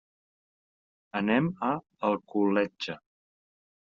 Anem a Alcoletge.